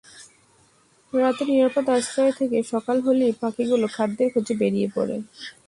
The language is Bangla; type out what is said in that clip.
রাতে নিরাপদ আশ্রয়ে থেকে সকাল হলেই পাখিগুলো খাদ্যের খোঁজে বেরিয়ে পড়ে।